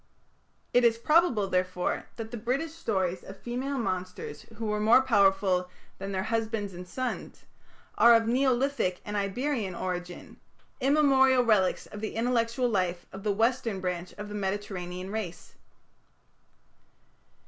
It is probable, therefore, that the British stories of female monsters who were more powerful than their husbands and sons, are of Neolithic and Iberian origin immemorial relics of the intellectual life of the western branch of the Mediterranean race.